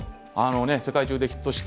世界中でヒットして。